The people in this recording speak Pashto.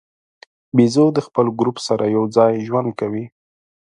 بیزو د خپل ګروپ سره یو ځای ژوند کوي.